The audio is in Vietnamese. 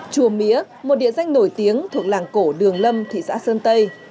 chùa mía một địa danh nổi tiếng thuộc làng cổ đường lâm thị xã sơn tây